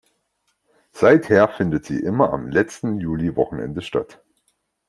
Seither findet sie immer am letzten Juliwochenende statt.